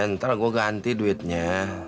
ntar gua ganti duitnya